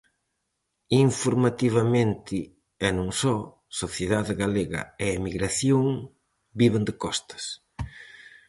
Informativamente, e non só, sociedade galega e emigración viven de costas.